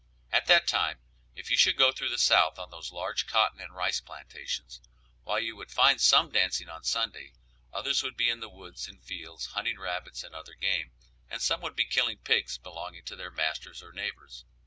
At that time, if you should go through the South on those large cotton and rice plantations, while you would find some dancing on Sunday, others would be in the woods and fields hunting rabbits and other game, and some would be killing pigs belonging to their masters or neighbors.